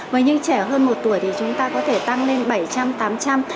với những trẻ hơn một tuổi thì chúng ta có thể tăng lên bảy trăm linh tám trăm linh ml